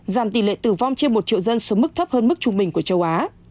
giảm tỷ lệ tử vong trên một triệu dân xuống mức thấp hơn mức trung bình của châu á